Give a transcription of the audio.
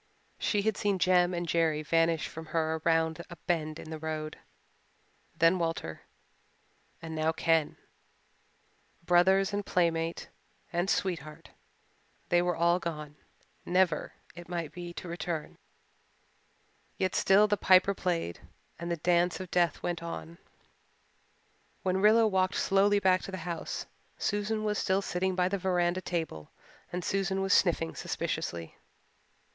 She had seen Jem and Jerry vanish from her around a bend in the road then Walter and now Ken. Brothers and playmate and sweetheart they were all gone, never, it might be, to return. Yet still the Piper piped and the dance of death went on. When Rilla walked slowly back to the house Susan was still sitting by the veranda table and Susan was sniffing suspiciously.